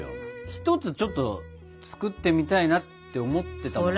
一つちょっと作ってみたいなって思ってたんですよ。